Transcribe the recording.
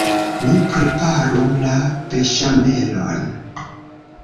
Ni preparu la beŝamelon.